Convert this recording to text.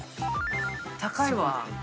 高いわ。